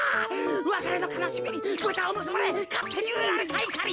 わかれのかなしみにブタをぬすまれかってにうられたいかり。